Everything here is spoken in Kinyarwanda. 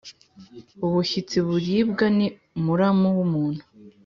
Ubushyitsi buribwa ni muramu w’umuntu.